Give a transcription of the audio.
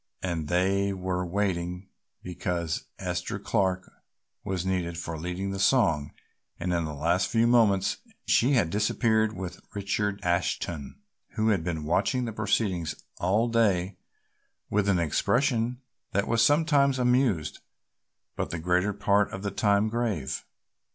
And they were waiting because Esther Clark was needed for leading the song and in the last few moments she had disappeared with Richard Ashton, who had been watching the proceedings all day with an expression that was sometimes amused but the greater part of the time grave.